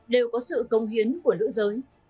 đều có sự cống hiến của nữ giới